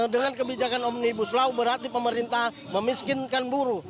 dengan kebijakan omnibus law berarti pemerintah memiskinkan buruh